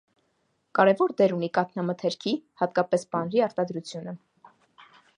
Կարևոր դեր ունի կաթնամթերքի, հատկապես պանրի արտադրությունը։